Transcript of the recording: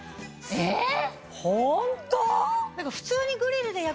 えっ！